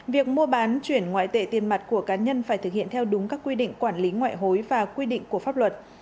việc mua bán chuyển ngoại tệ tiền mặt của cá nhân phải thực hiện theo đúng các quy định quản lý ngoại hối và quy định của pháp luật